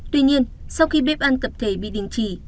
tuy nhiên sau khi bếp ăn tập thể bị đình chỉ